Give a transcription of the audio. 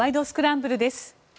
スクランブル」です。